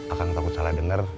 akang takut salah denger